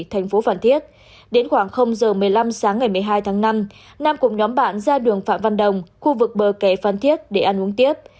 thành phố phan thiết đến khoảng giờ một mươi năm sáng ngày một mươi hai tháng năm nam cùng nhóm bạn ra đường phạm văn đồng khu vực bờ kẻ phan thiết để ăn uống tiếp